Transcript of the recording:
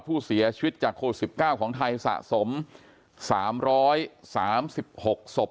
ผู้เสียชีวิตจากโคล๑๙ของไทยสะสม๓๓๖ศพด้วยกัน